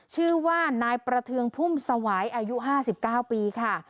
ชื่อว่านายประเทืองพุ่มสวายอายุ๕๙ปีค่ะ